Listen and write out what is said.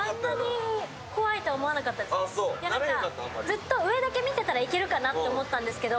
ずっと上だけ見てたら行けるかなと思ったんですけど